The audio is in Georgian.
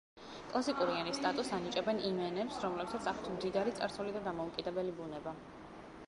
კლასიკური ენის სტატუსს ანიჭებენ იმ ენებს, რომლებსაც აქვთ მდიდარი წარსული და დამოუკიდებელი ბუნება.